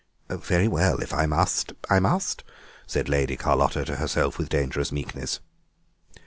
"Very well, if I must I must," said Lady Carlotta to herself with dangerous meekness.